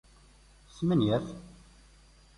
Smenyaf.